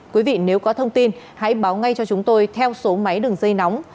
quý vị nếu có thông tin hãy báo ngay cho chúng tôi theo số máy đường dây nóng